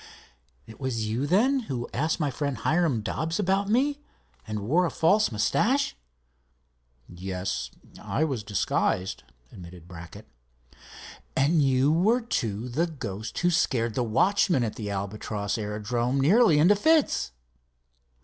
"It was you, then, who asked my friend, Hiram Dobbs, about me, and wore a false mustache?" "Yes, I was disguised," admitted Brackett. "And you were, too, the ghost who scared the watchman at the Albatross aerodrome nearly into fits!"